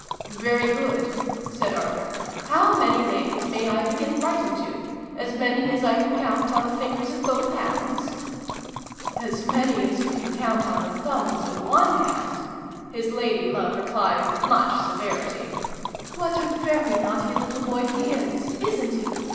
"Very good," said Arthur. " How many ladies may I begin writing to ? As many as I can count on the fingers of both hands ?" "As many as you can count on the thumbs of one hand !" his lady love replied with much ii8 SYLVIE AND BRUNO CONCLUDED. severity. " What a very naughty little boy he is ! Isn't he